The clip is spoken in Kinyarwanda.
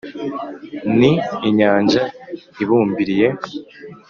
Ni inyanja ibumbiriye,